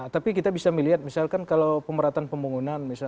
tapi kita bisa melihat misalkan kalau pemerataan pembangunan